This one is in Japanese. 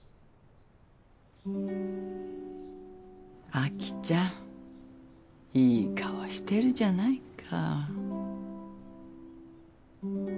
アキちゃんいい顔してるじゃないか。